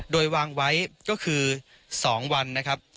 โดยวางไว้ก็คือ๒วันนะครับ